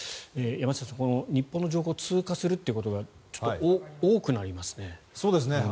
山下さん、この日本の上空を通過するということがちょっと、多くなりますね。